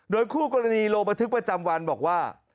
โดยคู่กรณีลงบันทึกประจำวันบอกว่า